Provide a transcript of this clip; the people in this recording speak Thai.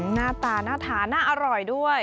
หน้าตาน่าทานน่าอร่อยด้วย